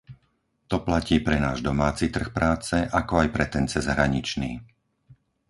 To platí pre náš domáci trh práce, ako aj pre ten cezhraničný.